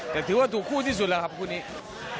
แต่ถือว่าถูกคู่ที่สุดแล้วครับคู่นี้